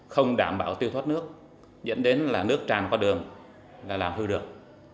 không đảm bảo tiêu thoát nước dẫn đến là nước tràn qua đường là làm hư được